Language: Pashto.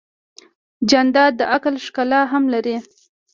جانداد د عقل ښکلا هم لري.